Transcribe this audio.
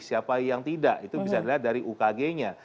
siapa yang tidak itu bisa dilihat dari ukg nya